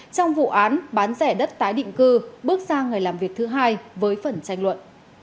trong vụ án bán rẻ đất tái định cư bước sang ngày làm việc thứ hai với phần tranh luận